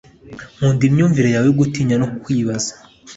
nkunda imyumvire yawe yo gutinya no kwibaza